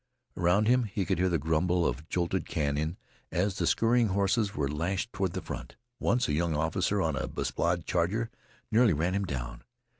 Around him he could hear the grumble of jolted cannon as the scurrying horses were lashed toward the front. Once, a young officer on a besplashed charger nearly ran him down.